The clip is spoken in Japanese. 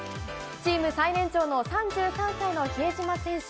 チーム最年長の３３歳の比江島選手。